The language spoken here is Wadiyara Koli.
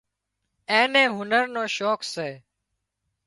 اين نين هنر نو شوق سي